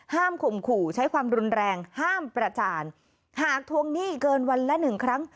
ข่มขู่ใช้ความรุนแรงห้ามประจานหากทวงหนี้เกินวันละหนึ่งครั้ง